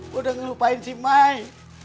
gue udah ngelupain si mai